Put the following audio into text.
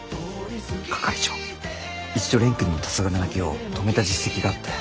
係長一度蓮くんの黄昏泣きを止めた実績があって。